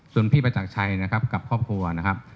ส่วนพี่ประจักรชัยนะครับกับครอบครัวนะครับ